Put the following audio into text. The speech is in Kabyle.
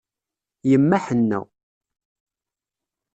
Yemma ḥenna.